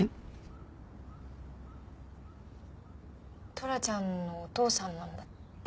トラちゃんのお父さんなんだって。